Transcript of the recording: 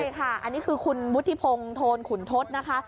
ใช่ค่ะอันนี้คือคุณวุฒิพงศ์โทนขุนทศนะคะ